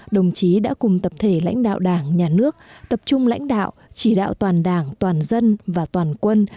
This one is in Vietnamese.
đồng chí đã cùng tập thể lãnh đạo đảng nhà nước tập trung lãnh đạo chỉ đạo toàn đảng toàn dân và toàn quân